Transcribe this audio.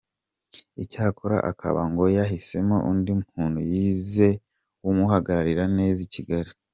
Icyakora akaba ngo yahisemo undi muntu yizeye wamuhagararira neza i Kigali.